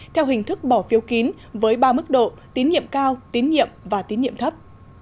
theo hình thức bỏ phiếu kín với ba mức độ tín nhiệm cao tín nhiệm và tín nhiệm thấp